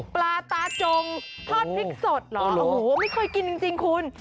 ปลาตาจงทอดพริกสดเหรอโอ้โหไม่เคยกินจริงคุณ